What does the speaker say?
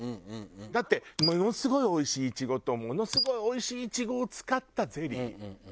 だってものすごいおいしいイチゴとものすごいおいしいイチゴを使ったゼリー。